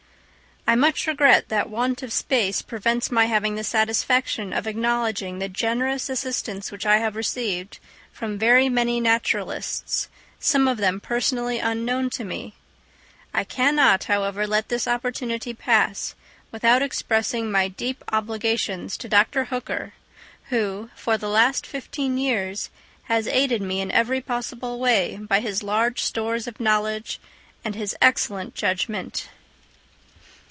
I much regret that want of space prevents my having the satisfaction of acknowledging the generous assistance which I have received from very many naturalists, some of them personally unknown to me. I cannot, however, let this opportunity pass without expressing my deep obligations to Dr. Hooker, who, for the last fifteen years, has aided me in every possible way by his large stores of knowledge and his excellent judgment.